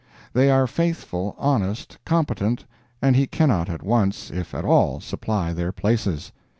They are faithful, honest, competent, and he cannot at once, if at all, supply their places.